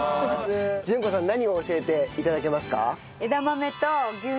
純子さん何を教えて頂けますか？